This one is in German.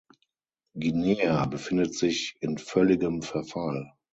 Guinea befindet sich in völligem Verfall.